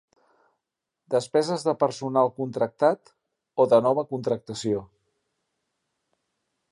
Despeses de personal contractat o de nova contractació.